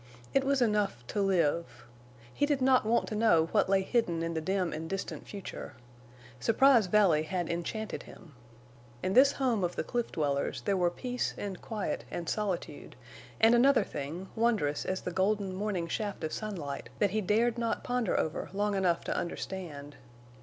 It was enough to live. He did not want to know what lay hidden in the dim and distant future. Surprise Valley had enchanted him. In this home of the cliff dwellers there were peace and quiet and solitude, and another thing, wondrous as the golden morning shaft of sunlight, that he dared not ponder over long enough to understand.